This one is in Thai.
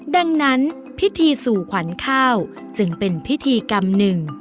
ดังนั้นพิธีสู่ขวัญข้าวจึงเป็นพิธีกรรมหนึ่ง